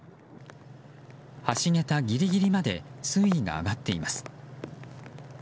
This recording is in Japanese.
橋げたギリギリまで水位が上がっています。